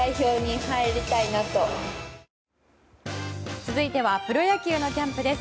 続いてはプロ野球のキャンプです。